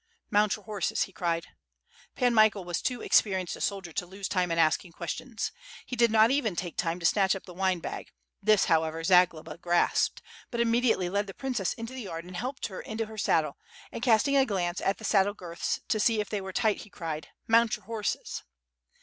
"Mount your horses," he cried. Pan Michael ^as too experienced a soldier to lose time in asking questions. He did not even take time to snatch up the wine bag, this, however, Zagloba grasped, but imme diately led the princess into the yard and helped her into her saddle, and casting a glance at the saddle girths to see if they were tight, he cried: "Mount your horses!"